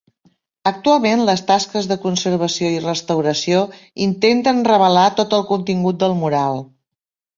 Actualment les tasques de conservació i restauració intenten revelar tot el contingut del mural.